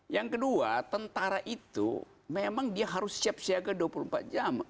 yang kedua tentara itu memang dia harus siap siaga dua puluh empat jam